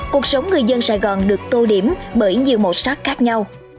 cuộc sống người dân sài gòn được tô điểm bởi nhiều màu sắc khác nhau